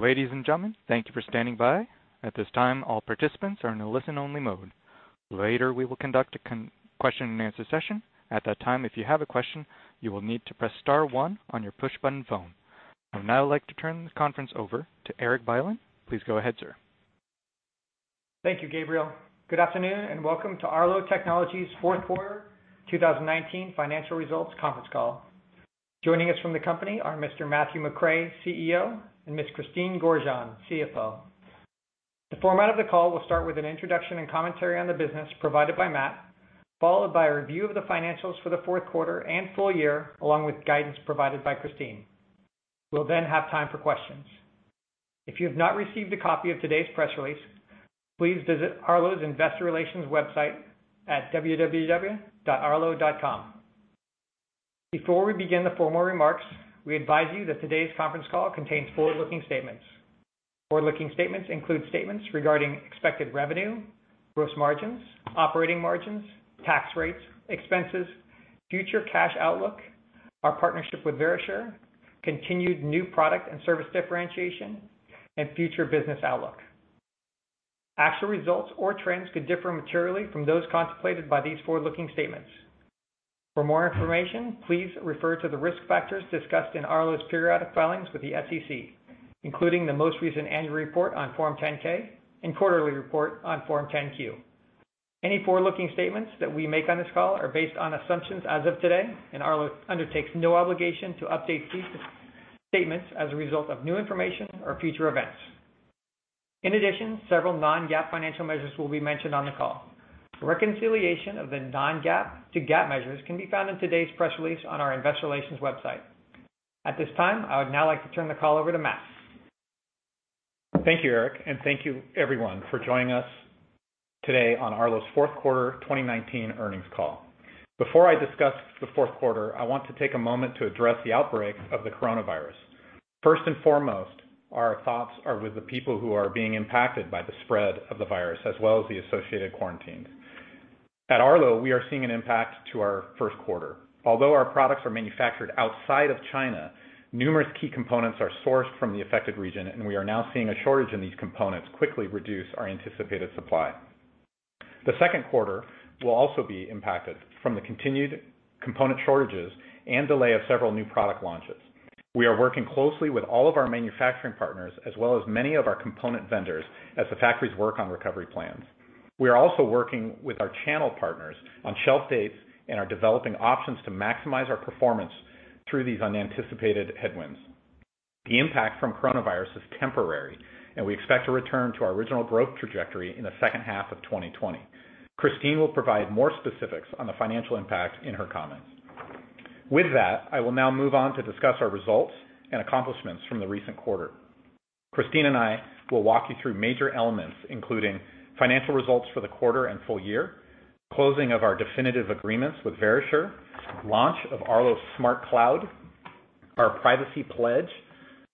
Ladies and gentlemen, thank you for standing by. At this time, all participants are in a listen-only mode. Later, we will conduct a question and answer session. At that time, if you have a question, you will need to press star one on your push-button phone. I would now like to turn the conference over to Erik Bylin. Please go ahead, sir. Thank you, Gabriel. Good afternoon, and welcome to Arlo Technologies' fourth quarter 2019 financial results conference call. Joining us from the company are Mr. Matthew McRae, CEO, and Ms. Christine Gorjanc, CFO. The format of the call will start with an introduction and commentary on the business provided by Matt, followed by a review of the financials for the fourth quarter and full year, along with guidance provided by Christine. We'll then have time for questions. If you have not received a copy of today's press release, please visit Arlo's investor relations website at www.arlo.com. Before we begin the formal remarks, we advise you that today's conference call contains forward-looking statements. Forward-looking statements include statements regarding expected revenue, gross margins, operating margins, tax rates, expenses, future cash outlook, our partnership with Verisure, continued new product and service differentiation, and future business outlook. Actual results or trends could differ materially from those contemplated by these forward-looking statements. For more information, please refer to the risk factors discussed in Arlo's periodic filings with the SEC, including the most recent annual report on Form 10-K and quarterly report on Form 10-Q. Any forward-looking statements that we make on this call are based on assumptions as of today, and Arlo undertakes no obligation to update these statements as a result of new information or future events. In addition, several non-GAAP financial measures will be mentioned on the call. A reconciliation of the non-GAAP to GAAP measures can be found in today's press release on our investor relations website. At this time, I would now like to turn the call over to Matt. Thank you, Erik, and thank you everyone for joining us today on Arlo's fourth quarter 2019 earnings call. Before I discuss the fourth quarter, I want to take a moment to address the outbreak of the coronavirus. First and foremost, our thoughts are with the people who are being impacted by the spread of the virus, as well as the associated quarantines. At Arlo, we are seeing an impact to our first quarter. Although our products are manufactured outside of China, numerous key components are sourced from the affected region, and we are now seeing a shortage in these components quickly reduce our anticipated supply. The second quarter will also be impacted from the continued component shortages and delay of several new product launches. We are working closely with all of our manufacturing partners, as well as many of our component vendors, as the factories work on recovery plans. We are also working with our channel partners on shelf dates and are developing options to maximize our performance through these unanticipated headwinds. The impact from coronavirus is temporary, and we expect to return to our original growth trajectory in the second half of 2020. Christine will provide more specifics on the financial impact in her comments. With that, I will now move on to discuss our results and accomplishments from the recent quarter. Christine and I will walk you through major elements, including financial results for the quarter and full year, closing of our definitive agreements with Verisure, launch of Arlo SmartCloud, our privacy pledge,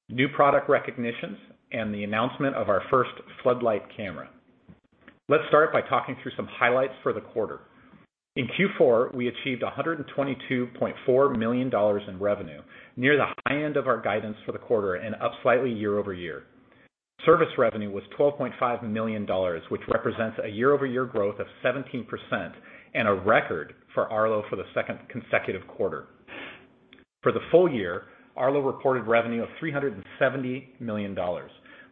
new product recognitions, and the announcement of our first Floodlight Camera. Let's start by talking through some highlights for the quarter. In Q4, we achieved $122.4 million in revenue, near the high end of our guidance for the quarter and up slightly year-over-year. Service revenue was $12.5 million, which represents a year-over-year growth of 17% and a record for Arlo for the second consecutive quarter. For the full year, Arlo reported revenue of $370 million.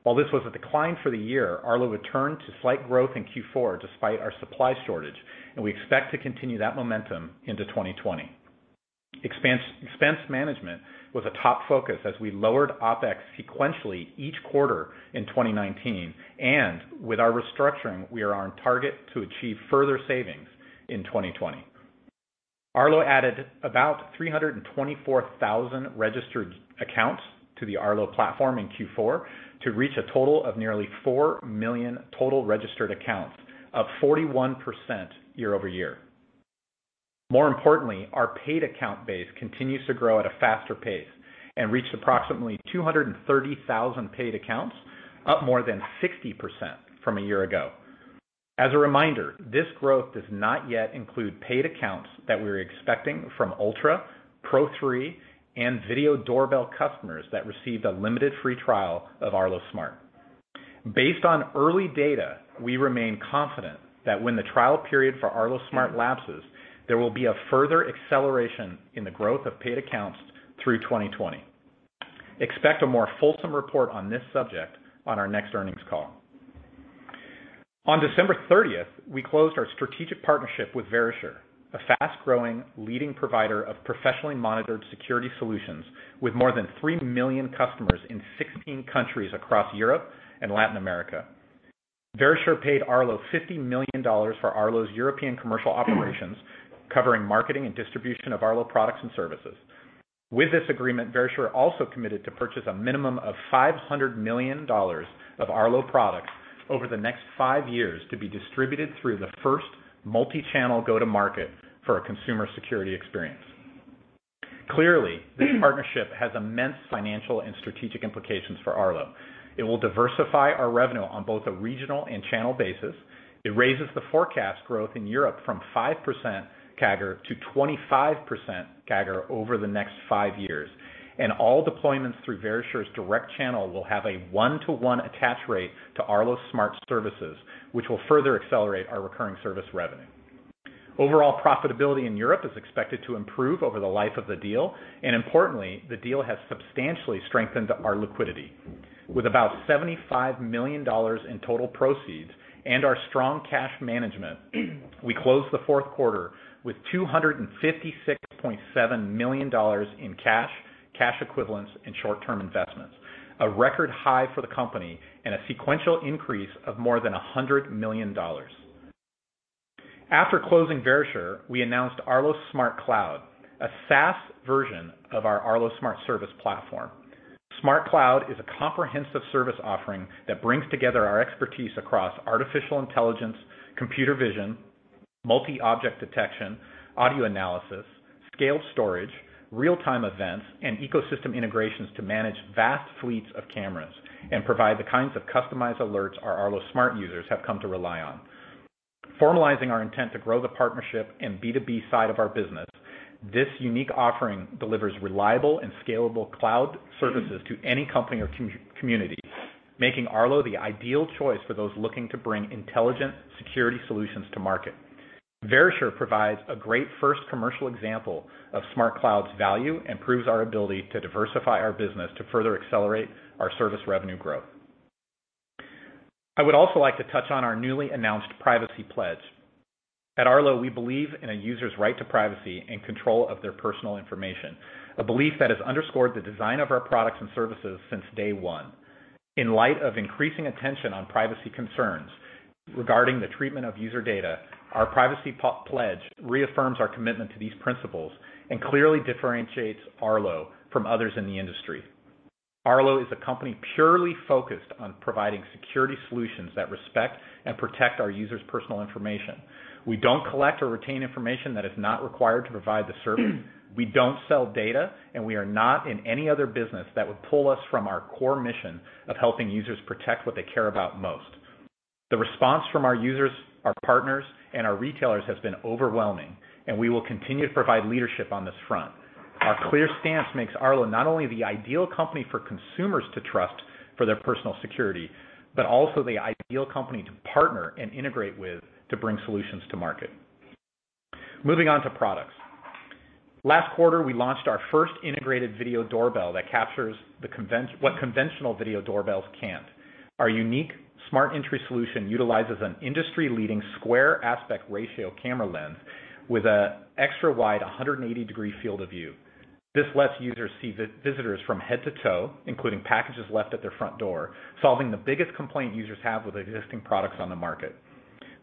While this was a decline for the year, Arlo returned to slight growth in Q4 despite our supply shortage, and we expect to continue that momentum into 2020. Expense management was a top focus as we lowered OpEx sequentially each quarter in 2019, and with our restructuring, we are on target to achieve further savings in 2020. Arlo added about 324,000 registered accounts to the Arlo platform in Q4 to reach a total of nearly 4 million total registered accounts, up 41% year-over-year. More importantly, our paid account base continues to grow at a faster pace and reached approximately 230,000 paid accounts, up more than 60% from a year ago. As a reminder, this growth does not yet include paid accounts that we're expecting from Arlo Ultra, Arlo Pro 3, and Arlo Video Doorbell customers that received a limited free trial of Arlo Smart. Based on early data, we remain confident that when the trial period for Arlo Smart lapses, there will be a further acceleration in the growth of paid accounts through 2020. Expect a more fulsome report on this subject on our next earnings call. On December 30th, we closed our strategic partnership with Verisure, a fast-growing leading provider of professionally monitored security solutions with more than 3 million customers in 16 countries across Europe and Latin America. Verisure paid Arlo $50 million for Arlo's European commercial operations, covering marketing and distribution of Arlo products and services. With this agreement, Verisure also committed to purchase a minimum of $500 million of Arlo products over the next five years to be distributed through the first multi-channel go-to-market for a consumer security experience. Clearly, this partnership has immense financial and strategic implications for Arlo. It will diversify our revenue on both a regional and channel basis. It raises the forecast growth in Europe from 5% CAGR to 25% CAGR over the next five years, and all deployments through Verisure's direct channel will have a one-to-one attach rate to Arlo Smart Services, which will further accelerate our recurring service revenue. Overall profitability in Europe is expected to improve over the life of the deal, and importantly, the deal has substantially strengthened our liquidity. With about $75 million in total proceeds and our strong cash management, we closed the fourth quarter with $256.7 million in cash equivalents, and short-term investments, a record high for the company and a sequential increase of more than $100 million. After closing Verisure, we announced Arlo SmartCloud, a SaaS version of our Arlo Smart Service platform. SmartCloud is a comprehensive service offering that brings together our expertise across artificial intelligence, computer vision, multi-object detection, audio analysis, scaled storage, real-time events, and ecosystem integrations to manage vast fleets of cameras and provide the kinds of customized alerts our Arlo Smart users have come to rely on. Formalizing our intent to grow the partnership and B2B side of our business, this unique offering delivers reliable and scalable cloud services to any company or community, making Arlo the ideal choice for those looking to bring intelligent security solutions to market. Verisure provides a great first commercial example of Smart Cloud's value and proves our ability to diversify our business to further accelerate our service revenue growth. I would also like to touch on our newly announced privacy pledge. At Arlo, we believe in a user's right to privacy and control of their personal information, a belief that has underscored the design of our products and services since day one. In light of increasing attention on privacy concerns regarding the treatment of user data, our privacy pledge reaffirms our commitment to these principles and clearly differentiates Arlo from others in the industry. Arlo is a company purely focused on providing security solutions that respect and protect our users' personal information. We don't collect or retain information that is not required to provide the service. We don't sell data. We are not in any other business that would pull us from our core mission of helping users protect what they care about most. The response from our users, our partners, and our retailers has been overwhelming. We will continue to provide leadership on this front. Our clear stance makes Arlo not only the ideal company for consumers to trust for their personal security, but also the ideal company to partner and integrate with to bring solutions to market. Moving on to products. Last quarter, we launched our first integrated Arlo Video Doorbell that captures what conventional video doorbells can't. Our unique smart entry solution utilizes an industry-leading square aspect ratio camera lens with an extra wide 180-degree field of view. This lets users see visitors from head to toe, including packages left at their front door, solving the biggest complaint users have with existing products on the market.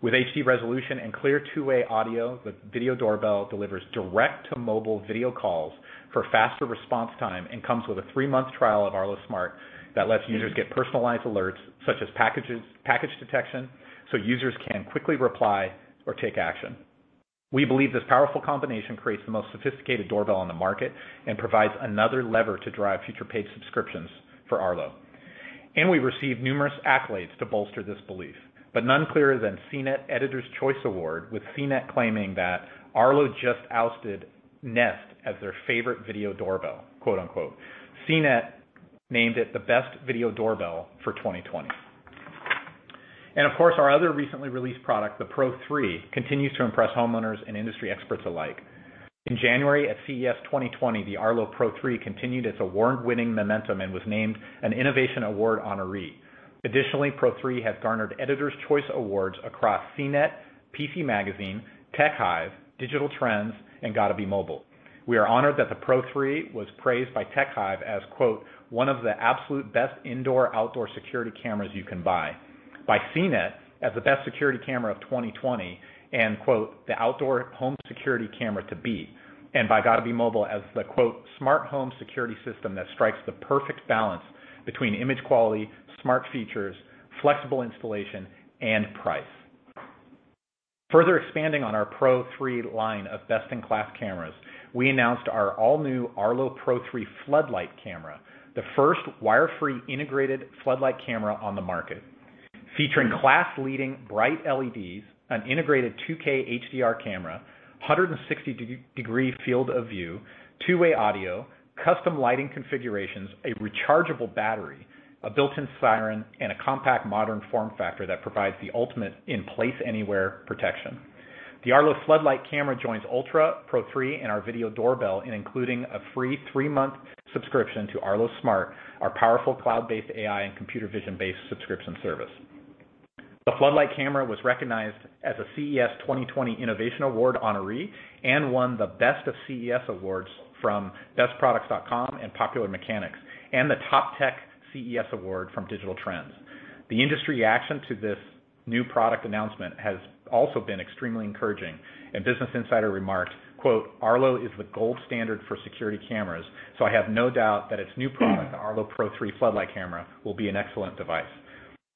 With HD resolution and clear two-way audio, the video doorbell delivers direct-to-mobile video calls for faster response time and comes with a three-month trial of Arlo Smart that lets users get personalized alerts, such as package detection, so users can quickly reply or take action. We received numerous accolades to bolster this belief, but none clearer than CNET Editors' Choice Award, with CNET claiming that Arlo just ousted Nest as their favorite video doorbell, quote-unquote. CNET named it the best video doorbell for 2020. Of course, our other recently released product, the Pro 3, continues to impress homeowners and industry experts alike. In January at CES 2020, the Arlo Pro 3 continued its award-winning momentum and was named an Innovation Award honoree. Additionally, Pro 3 has garnered Editors' Choice Awards across CNET, PC Magazine, TechHive, Digital Trends, and Gotta Be Mobile. We are honored that the Pro 3 was praised by TechHive as, quote, "One of the absolute best indoor/outdoor security cameras you can buy," by CNET as the best security camera of 2020 and, quote, "the outdoor home security camera to beat," and by Gotta Be Mobile as the, quote, "smart home security system that strikes the perfect balance between image quality, smart features, flexible installation, and price." Further expanding on our Pro 3 line of best-in-class cameras, we announced our all-new Arlo Pro 3 Floodlight Camera, the first wire-free integrated floodlight camera on the market. Featuring class-leading bright LEDs, an integrated 2K HDR camera, 160-degree field of view, two-way audio, custom lighting configurations, a rechargeable battery, a built-in siren, and a compact, modern form factor that provides the ultimate in place anywhere protection. The Arlo Floodlight Camera joins Ultra, Pro 3, and our Video Doorbell in including a free three-month subscription to Arlo Smart, our powerful cloud-based AI and computer vision-based subscription service. The Floodlight Camera was recognized as a CES 2020 Innovation Award honoree and won the Best of CES Awards from BestProducts.com and Popular Mechanics and the Top Tech CES Award from Digital Trends. The industry reaction to this new product announcement has also been extremely encouraging. Business Insider remarked, quote, "Arlo is the gold standard for security cameras, so I have no doubt that its new product, the Arlo Pro 3 Floodlight Camera, will be an excellent device."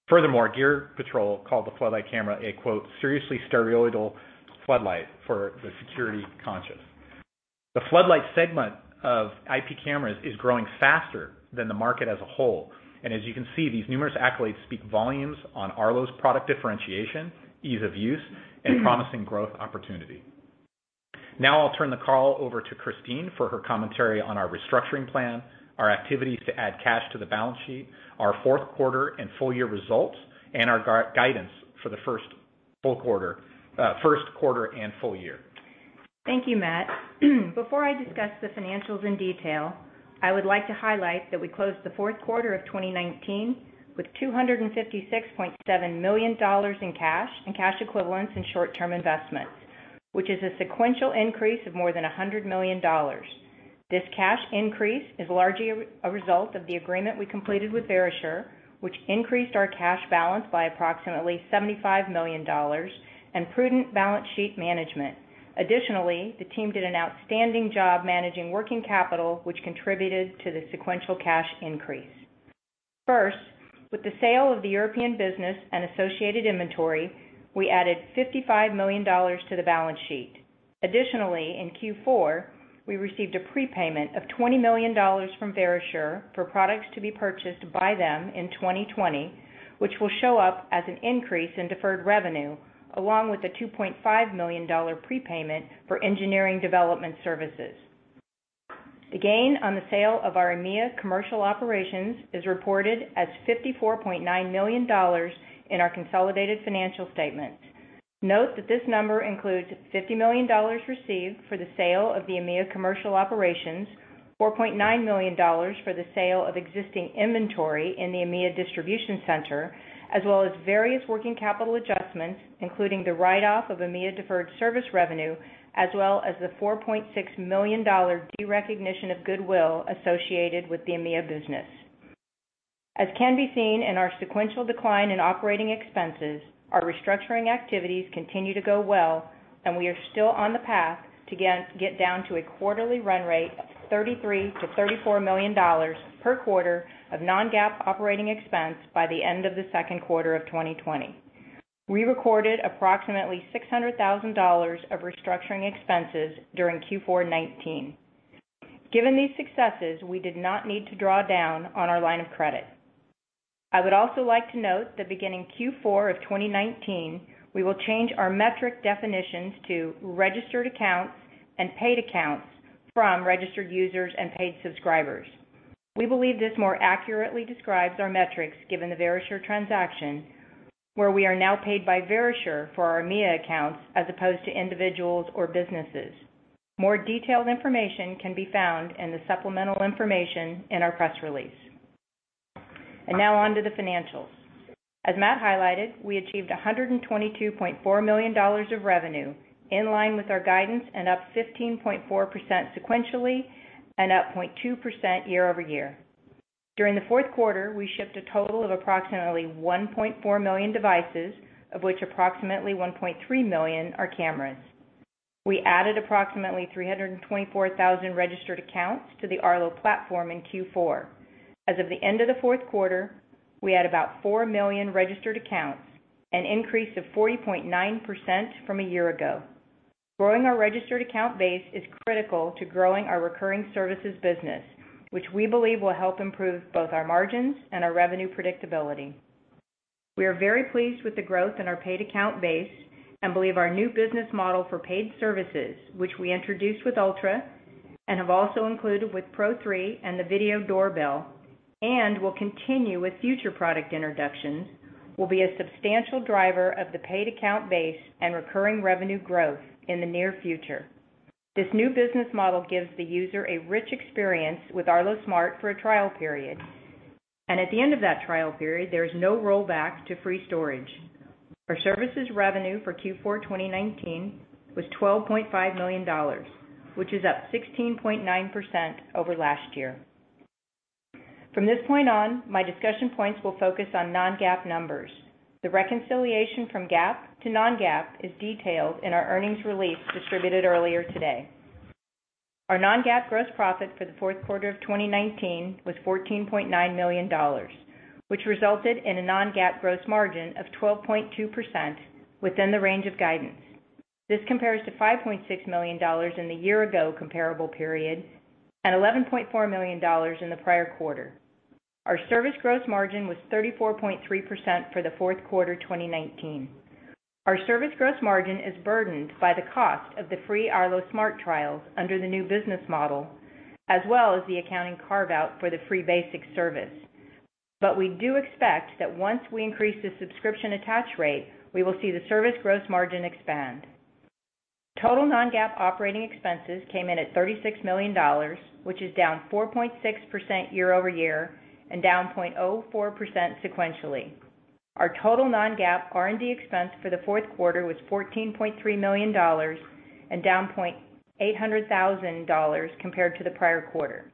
Furthermore, Gear Patrol called the floodlight camera a, quote, "Seriously steroidal floodlight for the security conscious." The floodlight segment of IP cameras is growing faster than the market as a whole. As you can see, these numerous accolades speak volumes on Arlo's product differentiation, ease of use, and promising growth opportunity. Now I'll turn the call over to Christine for her commentary on our restructuring plan, our activities to add cash to the balance sheet, our fourth quarter and full year results, and our guidance for the first quarter and full year. Thank you, Matt. Before I discuss the financials in detail, I would like to highlight that we closed the fourth quarter of 2019 with $256.7 million in cash and cash equivalents in short-term investments, which is a sequential increase of more than $100 million. This cash increase is largely a result of the agreement we completed with Verisure, which increased our cash balance by approximately $75 million and prudent balance sheet management. The team did an outstanding job managing working capital, which contributed to the sequential cash increase. First, with the sale of the European business and associated inventory, we added $55 million to the balance sheet. In Q4, we received a prepayment of $20 million from Verisure for products to be purchased by them in 2020, which will show up as an increase in deferred revenue, along with a $2.5 million prepayment for engineering development services. The gain on the sale of our EMEA commercial operations is reported as $54.9 million in our consolidated financial statement. Note that this number includes $50 million received for the sale of the EMEA commercial operations, $4.9 million for the sale of existing inventory in the EMEA distribution center, as well as various working capital adjustments, including the write-off of EMEA deferred service revenue, as well as the $4.6 million derecognition of goodwill associated with the EMEA business. As can be seen in our sequential decline in Operating Expenses, our restructuring activities continue to go well, and we are still on the path to get down to a quarterly run rate of $33 million-$34 million per quarter of non-GAAP Operating Expense by the end of the second quarter of 2020. We recorded approximately $600,000 of restructuring expenses during Q4 2019. Given these successes, we did not need to draw down on our line of credit. I would also like to note that beginning Q4 of 2019, we will change our metric definitions to registered accounts and paid accounts from registered users and paid subscribers. We believe this more accurately describes our metrics given the Verisure transaction, where we are now paid by Verisure for our EMEA accounts as opposed to individuals or businesses. More detailed information can be found in the supplemental information in our press release. Now on to the financials. As Matt highlighted, we achieved $122.4 million of revenue, in line with our guidance and up 15.4% sequentially and up 0.2% year-over-year. During the fourth quarter, we shipped a total of approximately 1.4 million devices, of which approximately 1.3 million are cameras. We added approximately 324,000 registered accounts to the Arlo platform in Q4. As of the end of the fourth quarter, we had about 4 million registered accounts, an increase of 40.9% from a year ago. Growing our registered account base is critical to growing our recurring services business, which we believe will help improve both our margins and our revenue predictability. We are very pleased with the growth in our paid account base and believe our new business model for paid services, which we introduced with Ultra and have also included with Pro 3 and the Video Doorbell, and will continue with future product introductions, will be a substantial driver of the paid account base and recurring revenue growth in the near future. This new business model gives the user a rich experience with Arlo Smart for a trial period and at the end of that trial period, there is no rollback to free storage. Our services revenue for Q4 2019 was $12.5 million, which is up 16.9% over last year. From this point on, my discussion points will focus on non-GAAP numbers. The reconciliation from GAAP to non-GAAP is detailed in our earnings release distributed earlier today. Our non-GAAP gross profit for the fourth quarter of 2019 was $14.9 million, which resulted in a non-GAAP gross margin of 12.2% within the range of guidance. This compares to $5.6 million in the year-ago comparable period and $11.4 million in the prior quarter. Our service gross margin was 34.3% for the fourth quarter 2019. Our service gross margin is burdened by the cost of the free Arlo Smart trials under the new business model, as well as the accounting carve-out for the free basic service. We do expect that once we increase the subscription attach rate, we will see the service gross margin expand. Total non-GAAP operating expenses came in at $36 million, which is down 4.6% year-over-year and down 0.04% sequentially. Our total non-GAAP R&D expense for the fourth quarter was $14.3 million and down $800,000 compared to the prior quarter.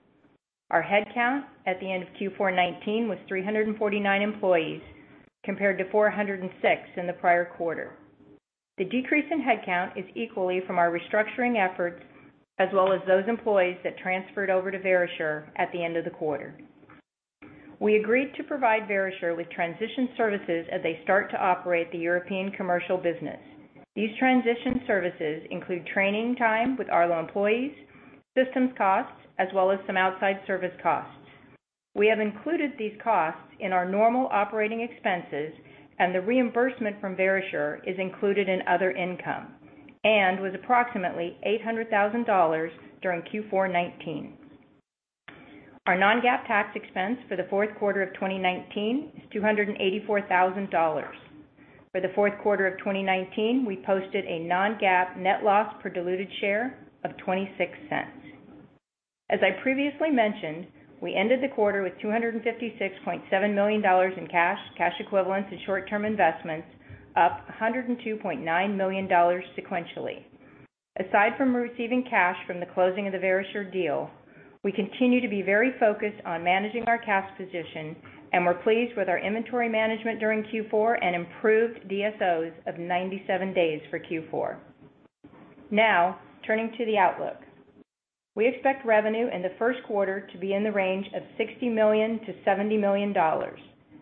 Our headcount at the end of Q4 2019 was 349 employees compared to 406 in the prior quarter. The decrease in headcount is equally from our restructuring efforts as well as those employees that transferred over to Verisure at the end of the quarter. We agreed to provide Verisure with transition services as they start to operate the European commercial business. These transition services include training time with Arlo employees, systems costs, as well as some outside service costs. We have included these costs in our normal operating expenses, and the reimbursement from Verisure is included in other income and was approximately $800,000 during Q4 2019. Our non-GAAP tax expense for the fourth quarter of 2019 is $284,000. For the fourth quarter of 2019, we posted a non-GAAP net loss per diluted share of $0.26. As I previously mentioned, we ended the quarter with $256.7 million in cash equivalents, and short-term investments, up $102.9 million sequentially. Aside from receiving cash from the closing of the Verisure deal, we continue to be very focused on managing our cash position, and we're pleased with our inventory management during Q4 and improved DSOs of 97 days for Q4. Turning to the outlook. We expect revenue in the first quarter to be in the range of $60 million-$70 million.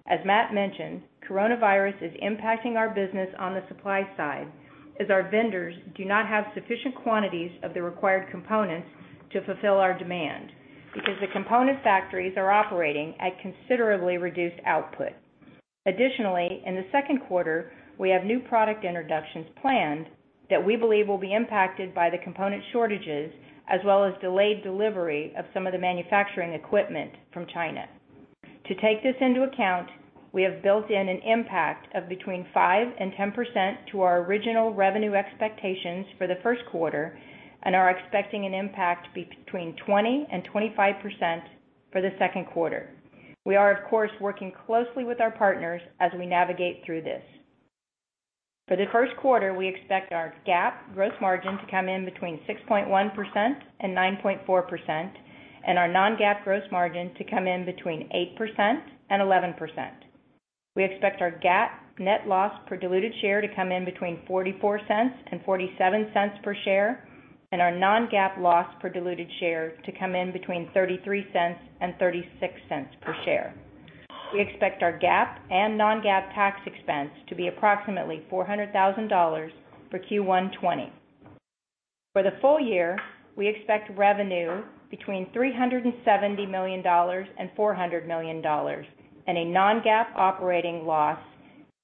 As Matt mentioned, coronavirus is impacting our business on the supply side, as our vendors do not have sufficient quantities of the required components to fulfill our demand, because the component factories are operating at considerably reduced output. Additionally, in the second quarter, we have new product introductions planned that we believe will be impacted by the component shortages, as well as delayed delivery of some of the manufacturing equipment from China. To take this into account, we have built in an impact of between 5%-10% to our original revenue expectations for the first quarter and are expecting an impact between 20%-25% for the second quarter. We are, of course, working closely with our partners as we navigate through this. For the first quarter, we expect our GAAP gross margin to come in between 6.1% and 9.4% and our non-GAAP gross margin to come in between 8% and 11%. We expect our GAAP net loss per diluted share to come in between $0.44 and $0.47 per share. Our non-GAAP loss per diluted share to come in between $0.33 and $0.36 per share. We expect our GAAP and non-GAAP tax expense to be approximately $400,000 for Q1 2020. For the full year, we expect revenue between $370 million and $400 million. A non-GAAP operating loss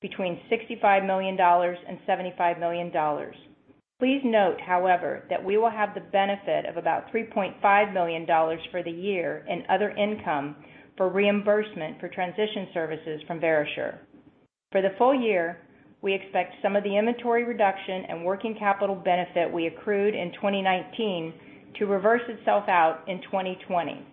between $65 million and $75 million. Please note, however, that we will have the benefit of about $3.5 million for the year in other income for reimbursement for transition services from Verisure. For the full year, we expect some of the inventory reduction and working capital benefit we accrued in 2019 to reverse itself out in 2020.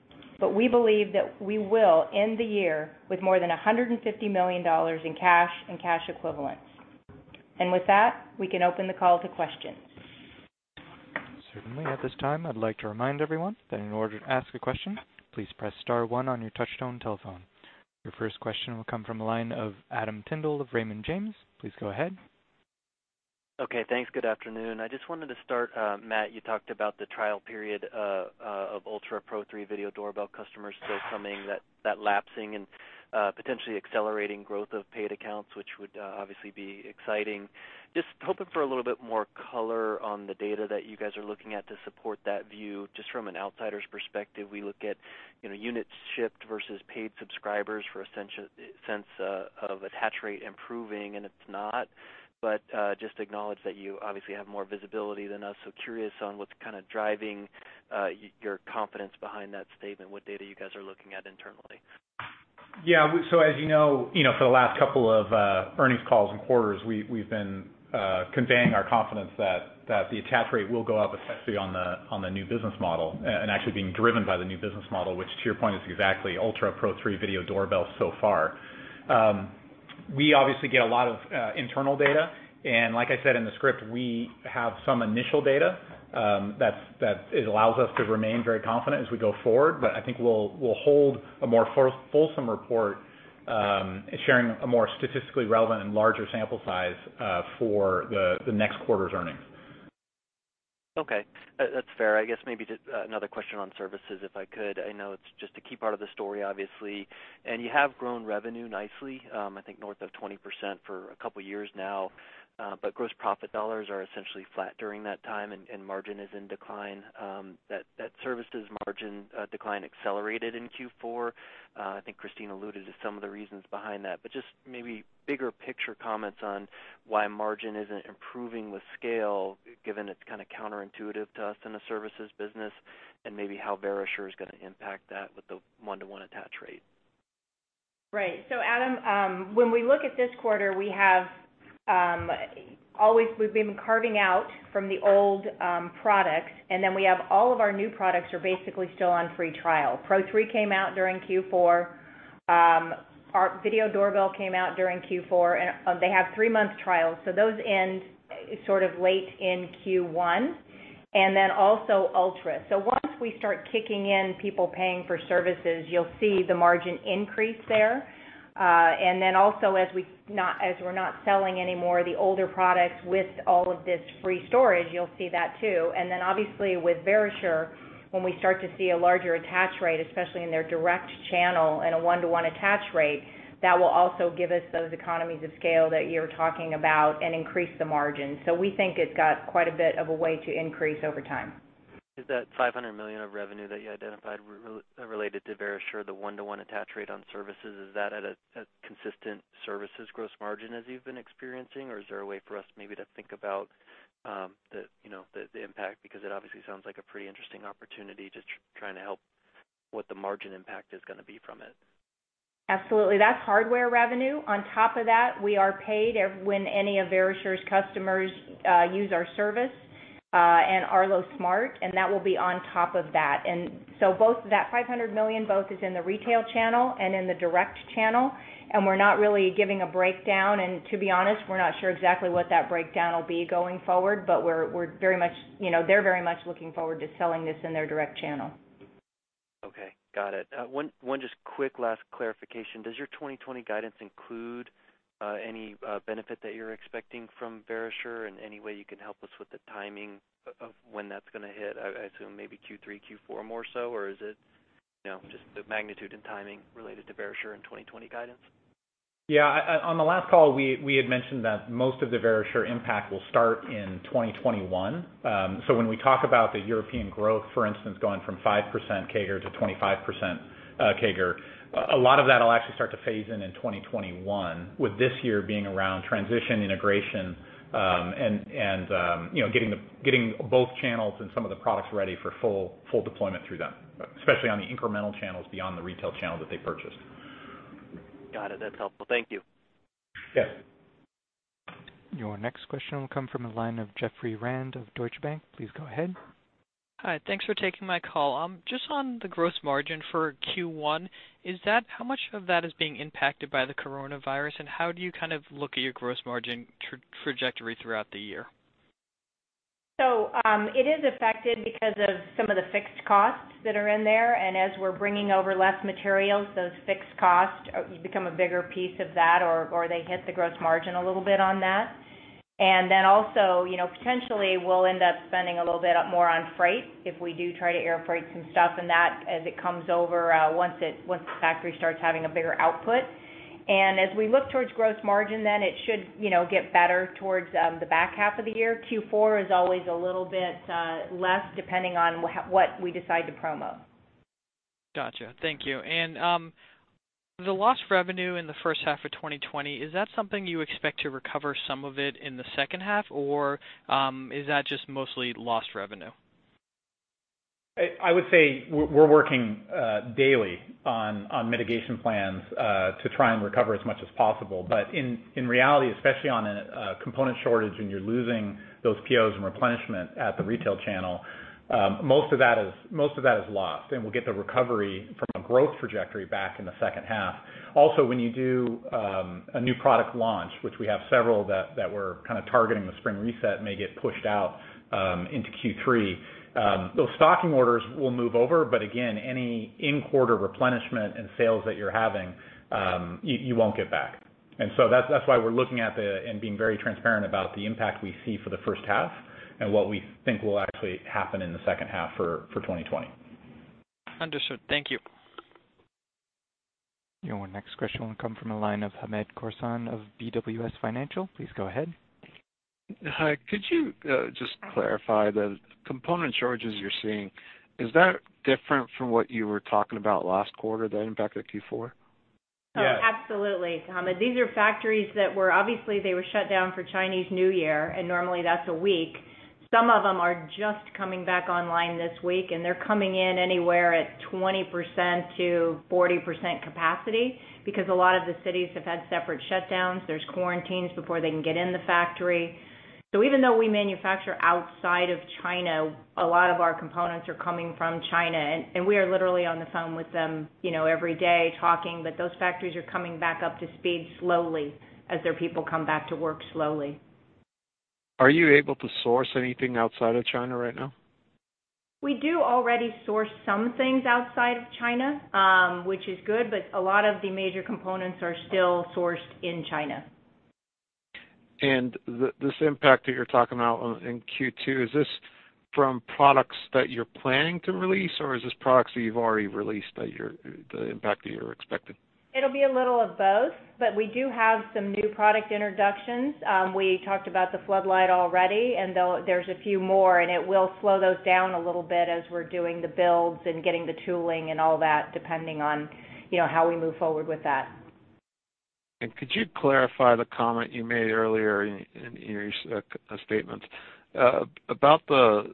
We believe that we will end the year with more than $150 million in cash and cash equivalents. With that, we can open the call to questions. Certainly. At this time, I'd like to remind everyone that in order to ask a question, please press star one on your touch-tone telephone. Your first question will come from the line of Adam Tindle of Raymond James. Please go ahead. Okay. Thanks. Good afternoon. I just wanted to start, Matt, you talked about the trial period of Ultra Pro 3 Video Doorbell customers still coming, that lapsing and potentially accelerating growth of paid accounts, which would obviously be exciting. Just hoping for a little bit more color on the data that you guys are looking at to support that view. Just from an outsider's perspective, we look at units shipped versus paid subscribers for a sense of attach rate improving. It's not. Just acknowledge that you obviously have more visibility than us. Curious on what's kind of driving your confidence behind that statement, what data you guys are looking at internally. Yeah. As you know, for the last couple of earnings calls and quarters, we've been conveying our confidence that the attach rate will go up, especially on the new business model and actually being driven by the new business model, which to your point, is exactly Ultra Pro 3 Video Doorbell so far. We obviously get a lot of internal data, and like I said in the script, we have some initial data that allows us to remain very confident as we go forward. I think we'll hold a more fulsome report, sharing a more statistically relevant and larger sample size for the next quarter's earnings. Okay. That's fair. I guess maybe just another question on services, if I could. I know it's just a key part of the story, obviously. You have grown revenue nicely, I think north of 20% for a couple of years now. Gross profit dollars are essentially flat during that time, and margin is in decline. That services margin decline accelerated in Q4. I think Christine alluded to some of the reasons behind that, but just maybe bigger picture comments on why margin isn't improving with scale, given it's kind of counterintuitive to us in the services business, and maybe how Verisure is going to impact that with the one-to-one attach rate. Right. Adam, when we look at this quarter, we've been carving out from the old products, and then we have all of our new products are basically still on free trial. Pro 3 came out during Q4. Our Video Doorbell came out during Q4, and they have three-month trials. Those end sort of late in Q1. Also Ultra. Once we start kicking in people paying for services, you'll see the margin increase there. Also as we're not selling any more of the older products with all of this free storage, you'll see that too. Obviously with Verisure, when we start to see a larger attach rate, especially in their direct channel and a one-to-one attach rate, that will also give us those economies of scale that you're talking about and increase the margin. We think it's got quite a bit of a way to increase over time. Is that $500 million of revenue that you identified related to Verisure, the one-to-one attach rate on services, is that at a consistent services gross margin as you've been experiencing? Is there a way for us maybe to think about the impact? It obviously sounds like a pretty interesting opportunity, just trying to help what the margin impact is going to be from it. Absolutely. That's hardware revenue. On top of that, we are paid when any of Verisure's customers use our service and Arlo Smart, and that will be on top of that. Both that $500 million both is in the retail channel and in the direct channel, and we're not really giving a breakdown. To be honest, we're not sure exactly what that breakdown will be going forward, but they're very much looking forward to selling this in their direct channel. Okay. Got it. One just quick last clarification. Does your 2020 guidance include any benefit that you're expecting from Verisure and any way you can help us with the timing of when that's going to hit? I assume maybe Q3, Q4 more so, or is it, just the magnitude and timing related to Verisure in 2020 guidance? Yeah. On the last call, we had mentioned that most of the Verisure impact will start in 2021. When we talk about the European growth, for instance, going from 5% CAGR-25% CAGR, a lot of that'll actually start to phase in in 2021, with this year being around transition integration, and getting both channels and some of the products ready for full deployment through them, especially on the incremental channels beyond the retail channel that they purchased. Got it. That's helpful. Thank you. Yes. Your next question will come from the line of Jeffrey Rand of Deutsche Bank. Please go ahead. Hi. Thanks for taking my call. Just on the gross margin for Q1, how much of that is being impacted by the coronavirus, and how do you look at your gross margin trajectory throughout the year? It is affected because of some of the fixed costs that are in there, and as we're bringing over less materials, those fixed costs become a bigger piece of that, or they hit the gross margin a little bit on that. Also, potentially, we'll end up spending a little bit more on freight if we do try to air freight some stuff and that as it comes over, once the factory starts having a bigger output. As we look towards gross margin, then it should get better towards the back half of the year. Q4 is always a little bit less, depending on what we decide to promo. Got you. Thank you. The lost revenue in the first half of 2020, is that something you expect to recover some of it in the second half, or is that just mostly lost revenue? I would say we're working daily on mitigation plans to try and recover as much as possible. In reality, especially on a component shortage when you're losing those POs and replenishment at the retail channel, most of that is lost, and we'll get the recovery from a growth trajectory back in the second half. Also, when you do a new product launch, which we have several that were kind of targeting the spring reset, may get pushed out into Q3. Those stocking orders will move over, but again, any in-quarter replenishment and sales that you're having, you won't get back. That's why we're looking at and being very transparent about the impact we see for the first half and what we think will actually happen in the second half for 2020. Understood. Thank you. Your next question will come from the line of Hamed Khorsand of BWS Financial. Please go ahead. Hi. Could you just clarify the component shortages you're seeing, is that different from what you were talking about last quarter, the impact of Q4? Yes. Oh, absolutely, Hamed. These are factories that were obviously they were shut down for Chinese New Year. That's a week. Some of them are just coming back online this week. They're coming in anywhere at 20%-40% capacity because a lot of the cities have had separate shutdowns. There's quarantines before they can get in the factory. Even though we manufacture outside of China, a lot of our components are coming from China. We are literally on the phone with them every day talking. Those factories are coming back up to speed slowly as their people come back to work slowly. Are you able to source anything outside of China right now? We do already source some things outside of China, which is good, but a lot of the major components are still sourced in China. This impact that you're talking about in Q2, is this from products that you're planning to release, or is this products that you've already released, the impact that you're expecting? It'll be a little of both, but we do have some new product introductions. We talked about the Floodlight already, and there's a few more, and it will slow those down a little bit as we're doing the builds and getting the tooling and all that, depending on how we move forward with that. Could you clarify the comment you made earlier in your statements? About the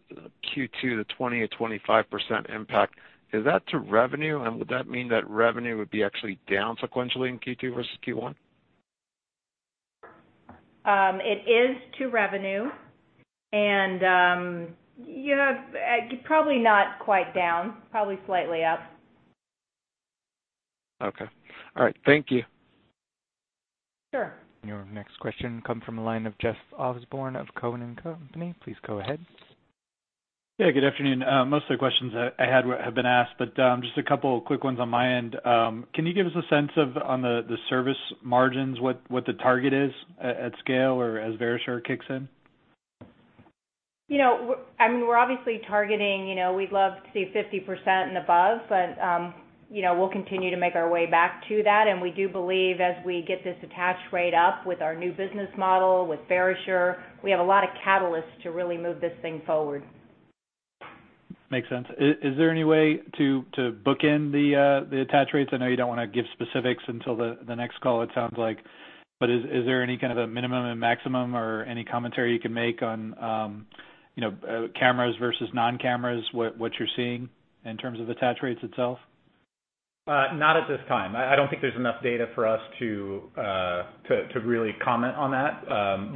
Q2, the 20%-25% impact, is that to revenue, and would that mean that revenue would be actually down sequentially in Q2 versus Q1? It is to revenue. Probably not quite down, probably slightly up. Okay. All right. Thank you. Sure. Your next question come from the line of Jeff Osborne of Cowen and Company. Please go ahead. Yeah, good afternoon. Most of the questions I had have been asked, just a couple of quick ones on my end. Can you give us a sense of, on the service margins, what the target is at scale or as Verisure kicks in? We're obviously targeting, we'd love to see 50% and above, but we'll continue to make our way back to that, and we do believe as we get this attach rate up with our new business model, with Verisure, we have a lot of catalysts to really move this thing forward. Makes sense. Is there any way to bookend the attach rates? I know you don't want to give specifics until the next call, it sounds like. Is there any kind of a minimum and maximum or any commentary you can make on cameras versus non-cameras, what you're seeing in terms of attach rates itself? Not at this time. I don't think there's enough data for us to really comment on that.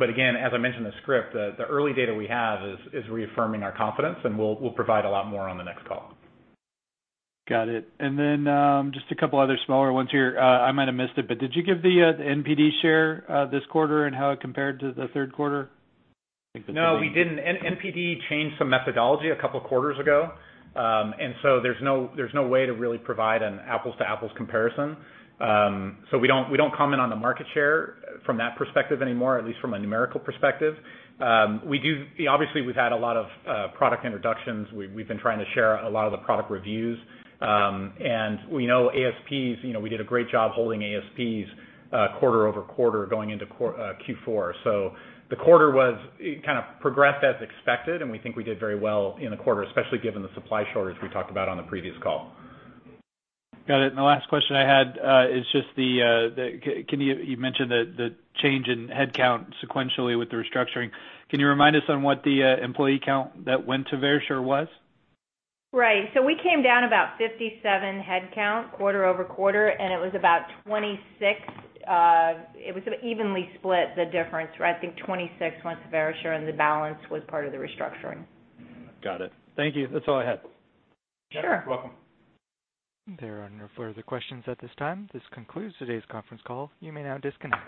Again, as I mentioned in the script, the early data we have is reaffirming our confidence, and we'll provide a lot more on the next call. Got it. Just a couple of other smaller ones here. I might have missed it, did you give the NPD share this quarter and how it compared to the third quarter? No, we didn't. NPD changed some methodology a couple of quarters ago. There's no way to really provide an apples-to-apples comparison. We don't comment on the market share from that perspective anymore, at least from a numerical perspective. Obviously, we've had a lot of product introductions. We've been trying to share a lot of the product reviews. We know ASPs, we did a great job holding ASPs quarter-over-quarter going into Q4. The quarter kind of progressed as expected, and we think we did very well in the quarter, especially given the supply shortage we talked about on the previous call. Got it. The last question I had is just you mentioned the change in headcount sequentially with the restructuring. Can you remind us on what the employee count that went to Verisure was? Right. We came down about 57 headcount quarter-over-quarter, and it was about 26. It was evenly split, the difference. I think 26 went to Verisure, and the balance was part of the restructuring. Got it. Thank you. That's all I had. Sure. You're welcome. There are no further questions at this time. This concludes today's conference call. You may now disconnect.